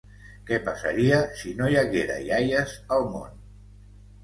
Què passaria si no hi haguera iaies al món?